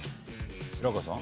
白河さん。